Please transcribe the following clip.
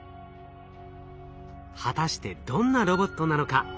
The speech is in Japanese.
果たしてどんなロボットなのか？